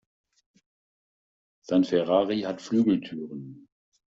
Sein Ferrari hat Flügeltüren.